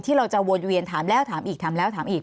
ที่เราจะวนเวียนถามแล้วถามอีก